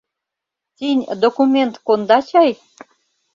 — Тинь документ конда чай?